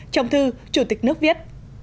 trong thư chủ tịch nước viết